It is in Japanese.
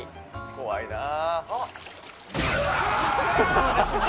怖いなぁ。